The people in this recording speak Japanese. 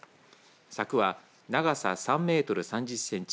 柵は長さ３メートル３０センチ